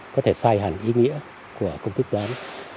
có thể sai hẳn ý nghĩa của công thức toán